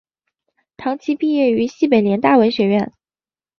唐祈毕业于西北联大文学院。